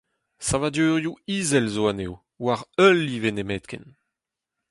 Savadurioù izel zo anezho, war ul live nemetken.